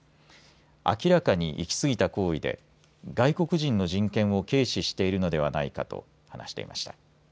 明らかに行き過ぎた行為で外国人の人権を軽視しているのではないかと話していました。